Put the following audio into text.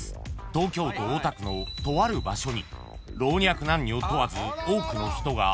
［東京都大田区のとある場所に老若男女問わず多くの人が集まった］